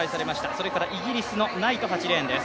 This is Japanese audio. それからイギリスのナイト８レーンです。